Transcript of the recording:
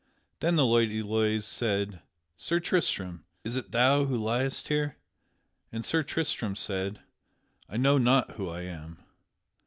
Then the Lady Loise said, "Sir Tristram, is it thou who liest here?" And Sir Tristram said, "I know not who I am."